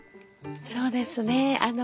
そうですね。